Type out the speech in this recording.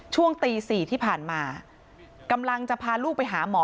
ช่วงตี๔ที่ผ่านมากำลังจะพาลูกไปหาหมอ